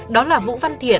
đó là vũ văn thiện